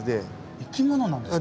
生き物なんですか？